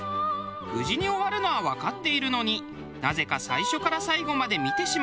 無事に終わるのはわかっているのになぜか最初から最後まで見てしまいます。